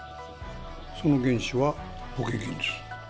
その原資は保険金です。